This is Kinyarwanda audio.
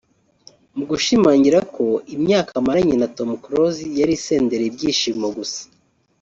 Mu gushimangira ko imyaka amaranye na Tom Close yari isendereye ibyishimo gusa